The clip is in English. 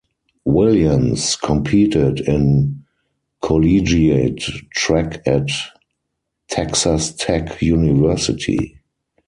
Williams competed in collegiate track at Texas Tech University.